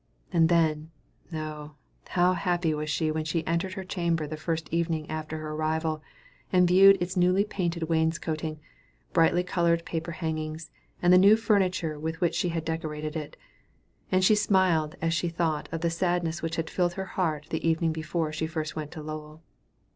And then, O, how happy was she when she entered her chamber the first evening after her arrival, and viewed its newly painted wainscoting, and brightly colored paper hangings, and the new furniture with which she had decorated it; and she smiled as she thought of the sadness which had filled her heart the evening before she first went to Lowell.